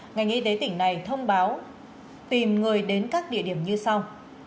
ngành y tế tỉnh này thông báo tìm người đến các địa điểm như sau